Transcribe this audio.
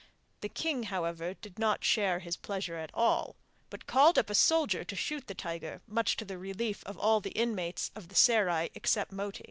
The king, however, did not share his pleasure at all, but called up a soldier to shoot the tiger, much to the relief of all the inmates of the serai except Moti.